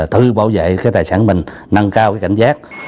tự bảo vệ cái tài sản mình nâng cao cái cảnh giác